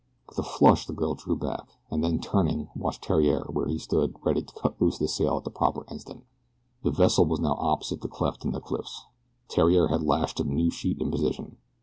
With a flush, the girl drew back, and then turning watched Theriere where he stood ready to cut loose the sail at the proper instant. The vessel was now opposite the cleft in the cliffs. Theriere had lashed a new sheet in position.